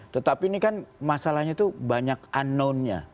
tetapi ini kan masalahnya itu banyak unknown nya